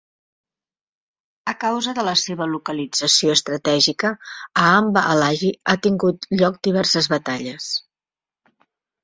A causa de la seva localització estratègica, a Amba Alaji ha tingut lloc diverses batalles.